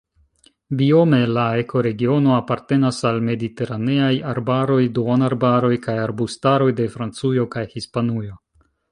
Biome la ekoregiono apartenas al mediteraneaj arbaroj, duonarbaroj kaj arbustaroj de Francujo kaj Hispanujo.